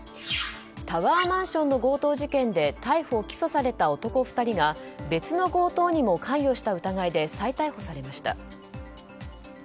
タワーマンションの強盗事件で逮捕・起訴された男２人が別の強盗にも関与した疑いで再逮捕されました。